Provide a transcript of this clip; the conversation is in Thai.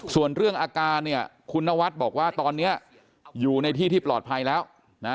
ส่วนเรื่องอาการเนี่ยคุณนวัดบอกว่าตอนนี้อยู่ในที่ที่ปลอดภัยแล้วนะ